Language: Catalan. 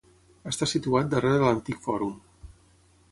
Està situat darrere de l'antic fòrum.